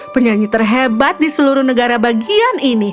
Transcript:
penyanyi terhebat di seluruh negara bagian ini